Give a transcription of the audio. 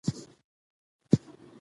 ځاله، ځان، ځکه، ځير، ځه، ځم، ځي